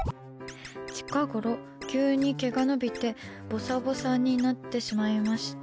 近ごろ、急に毛が伸びてぼさぼさになってしまいました。